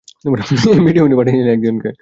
এই ভিডিও উনি পাঠিয়েছিলেন একজনকে।